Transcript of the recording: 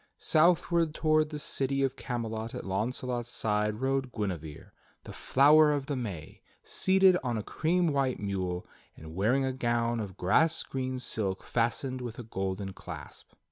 Southward toward the city of Camelot at Launcelot's side rode Guinevere, the Flower of the May, seated on a cream white mule, and wearing a gown of grass green silk fastened with a golden clasp.